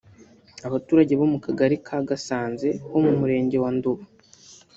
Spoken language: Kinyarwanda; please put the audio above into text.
Abaturage bo mu Kagali ka Gasanze ho mu Murenge wa Nduba